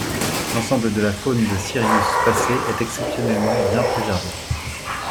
L'ensemble de la faune de Sirius Passet est exceptionnellement bien préservé.